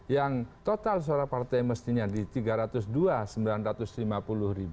yang total suara partai mestinya di rp tiga ratus dua sembilan ratus lima puluh